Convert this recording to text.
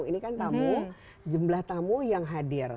ini kan tamu jumlah tamu yang hadir